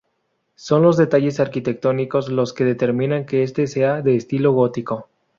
Son los detalles arquitectónicos los que determinan que este sea de estilo gótico.